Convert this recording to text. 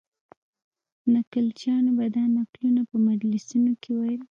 نکلچیانو به دا نکلونه په مجلسونو کې ویل.